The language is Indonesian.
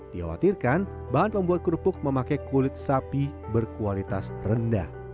dikhawatirkan bahan pembuat kerupuk memakai kulit sapi berkualitas rendah